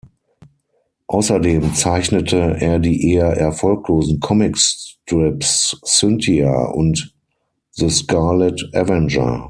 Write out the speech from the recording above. Außerdem zeichnete er die eher erfolglosen Comicstrips "Cynthia" und "The Scarlet Avenger".